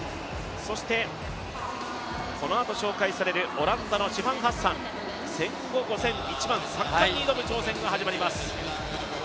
そしてこのあと紹介されるオランダのシファン・ハッサン、三冠に挑む挑戦が始まります。